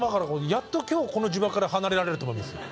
やっと今日この呪縛から離れられると思います。